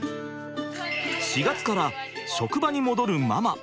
４月から職場に戻るママ。